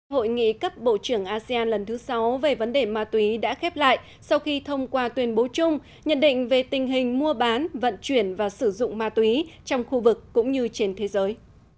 hội nghị cấp bộ trưởng asean lần thứ sáu về vấn đề ma túy đã khép lại sau khi thông qua tuyên bố chung nhận định về tình hình mua bán vận chuyển và sử dụng ma túy trong khu vực cũng như trên thế giới